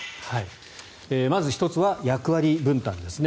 まず１つは役割分担ですね。